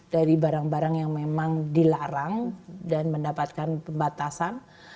dari barang barang yang memang dilarang dan mendapatkan pembatasan